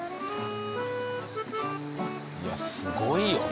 いやすごいよな。